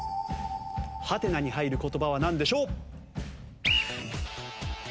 ハテナに入る言葉はなんでしょう？